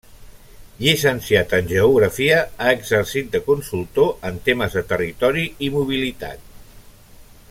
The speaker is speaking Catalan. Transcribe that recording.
Llicenciat en Geografia, ha exercit de consultor en temes de territori i mobilitat.